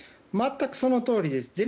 全くそのとおりです。